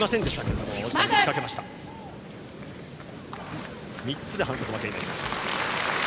指導３つで反則負けになります。